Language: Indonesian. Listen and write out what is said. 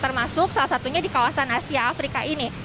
termasuk salah satunya di kawasan asia afrika ini